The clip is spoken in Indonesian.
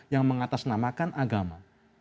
yang mengatasnamakan agama